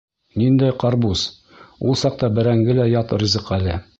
— Ниндәй ҡарбуз, ул саҡта бәрәңге лә ят ризыҡ әле.